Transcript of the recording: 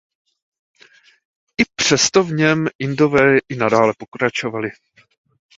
I přesto v něm Indové i nadále pokračovali.